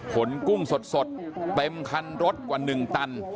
กุ้งสดเต็มคันรถกว่า๑ตัน